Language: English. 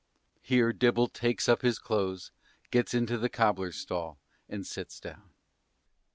(_Here Dibble takes up his clothes, gets into the cobbler's stall, and sits down.